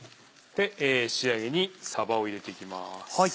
仕上げにさばを入れていきます。